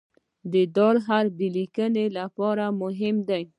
د "د" حرف د لیکنې لپاره مهم دی.